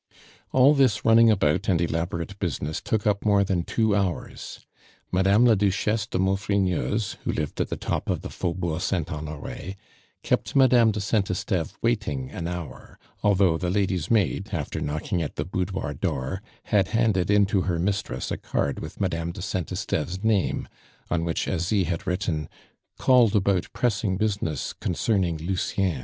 All this running about and elaborate business took up more than two hours. Madame la Duchesse de Maufrigneuse, who lived at the top of the Faubourg Saint Honore, kept Madame de Saint Esteve waiting an hour, although the lady's maid, after knocking at the boudoir door, had handed in to her mistress a card with Madame de Saint Esteve's name, on which Asie had written, "Called about pressing business concerning Lucien."